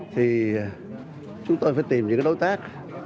thì chúng tôi phải tìm những đối tác